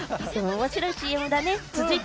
面白いＣＭだね！